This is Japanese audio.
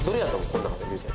この中で流星